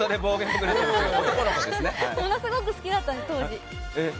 そのすごく好きだったので当時。